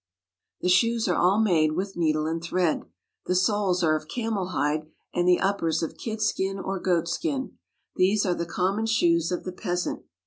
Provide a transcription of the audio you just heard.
The shoes are all made with needle and thread. The soles are of camel hide and the uppers of kidskin or goat skin. These are the common shoes of the peasant.